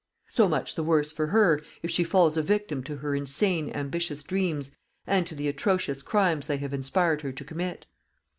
So much the worse for her, if she falls a victim to her insane ambitious dreams and to the atrocious crimes they have inspired her to commit.